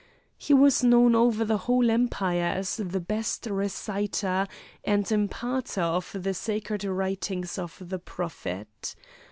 He was known over the whole Empire as the best reciter and imparter of the Sacred Writings of the Prophet.